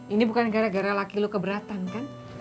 ini bukan gara gara laki lu keberatan kan